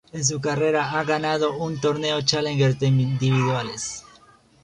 En su carrera ha ganado un torneo Challenger de individuales.